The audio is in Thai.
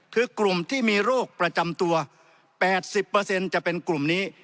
คือกลุ่มที่มีโรคประจำตัว๘๐จะเป็นกลุ่มนี้